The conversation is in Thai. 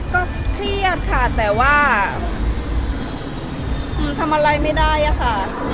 ก็เครียดค่ะแต่ว่าทำอะไรไม่ได้อะค่ะ